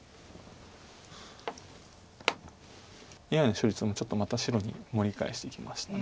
ＡＩの勝率もちょっとまた白に盛り返してきました。